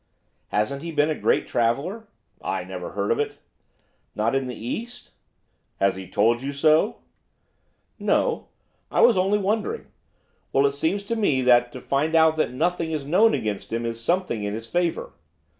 'Hasn't he been a great traveller?' 'I never heard of it.' 'Not in the East?' 'Has he told you so?' 'No, I was only wondering. Well, it seems to me that to find out that nothing is known against him is something in his favour!